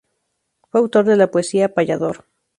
Fue autor de la poesía "Payador".